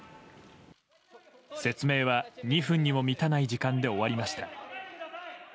説明は２分にも満たない時間で終わりました。